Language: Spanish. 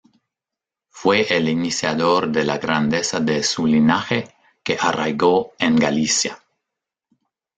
Fue el iniciador de la grandeza de su linaje, que arraigó en Galicia.